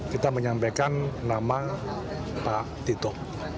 kita menyampaikan nama pak tito